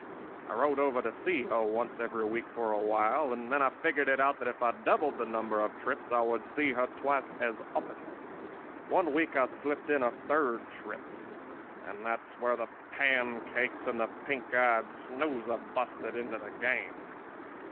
I rode over to see her once every week for a while; and then I figured it out that if I doubled the number of trips I would see her twice as often. "One week I slipped in a third trip; and that's where the pancakes and the pink eyed snoozer busted into the game.